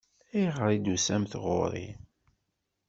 Ayɣer i d-tusamt ɣur-i?